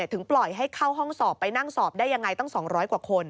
ถึงปล่อยให้เข้าห้องสอบไปนั่งสอบได้ยังไงตั้ง๒๐๐กว่าคน